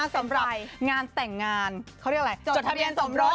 สำเรียบงานแต่งงานเขาเรียกอะไร